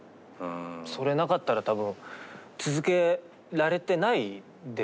それなかったら多分続けられてないですし。